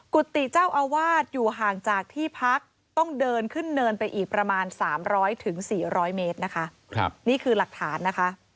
กุฏติเจ้าอาวาสอยู่ห่างจากที่พักต้องเดินขึ้นเนินไปอีกประมาณ๓๐๐๔๐๐เมตรนี้คือหลักฐาน